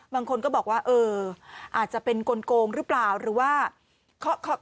บางคนก็บอกว่าเอออาจจะเป็นกลงหรือเปล่าหรือว่า